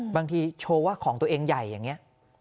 โชว์ว่าของตัวเองใหญ่อย่างนี้